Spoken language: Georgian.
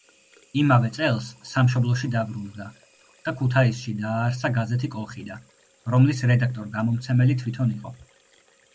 იმავე წელს სამშობლოში დაბრუნდა და ქუთაისში დააარსა გაზეთი „კოლხიდა“, რომლის რედაქტორ-გამომცემელი თვითონ იყო.